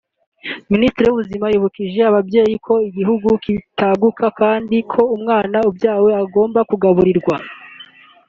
Minisitiri w’Ubuzima yibukije ababyeyi ko igihugu kitaguka kandi ko umwana ubyawe agomba kugaburirwa